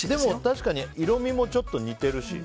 確かに色味もちょっと似てるし。